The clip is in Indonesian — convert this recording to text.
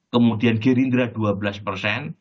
kemudian gerindra dua belas persen